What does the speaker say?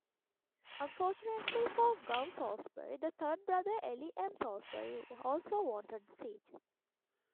Unfortunately for Gove Saulsbury, the third brother, Eli M. Saulsbury also wanted the seat.